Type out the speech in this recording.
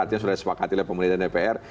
artinya sudah disepakati oleh pemerintah dpr